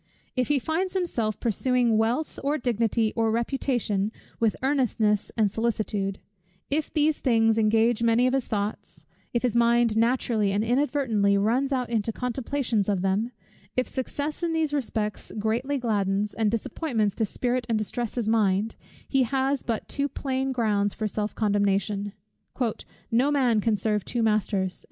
If he finds himself pursuing wealth, or dignity, or reputation, with earnestness and solicitude; if these things engage many of his thoughts; if his mind naturally and inadvertently runs out into contemplations of them; if success in these respects greatly gladdens, and disappointments dispirit and distress his mind; he has but too plain grounds for self condemnation. "No man can serve two masters."